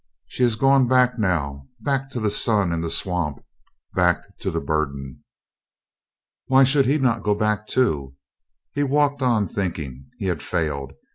"She has gone back now" back to the Sun and the Swamp, back to the Burden. Why should not he go back, too? He walked on thinking. He had failed.